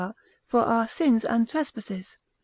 for our sins and trespasses.